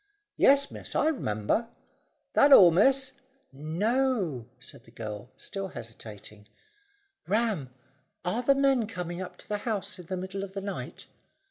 "Yes, miss, I r'member. That all, miss?" "No," said the girl, still hesitating. "Ram, are the men coming up to the house in the middle of the night?"